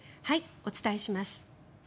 お伝えします。